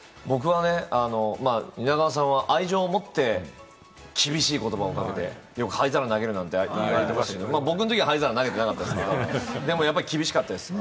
蜷川さんは愛情を持って厳しい言葉をかけて、よく灰皿投げるなんて言われてましたけれども、僕のときは灰皿投げてなかったですけれども、やっぱり厳しかったです。